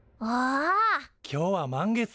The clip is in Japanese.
今日は満月か。